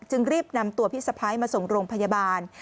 รีบนำตัวพี่สะพ้ายมาส่งโรงพยาบาล